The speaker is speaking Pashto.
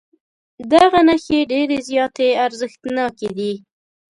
دغه نښې ډېرې زیاتې ارزښتناکې دي.